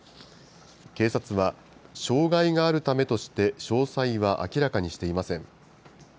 警察は、障害があるためとして、詳細は明らかにしていません。